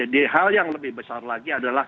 di hal yang lebih besar lagi adalah